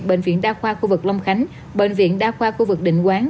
bệnh viện đa khoa khu vực long khánh bệnh viện đa khoa khu vực định quán